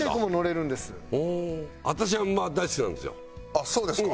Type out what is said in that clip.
あっそうですか。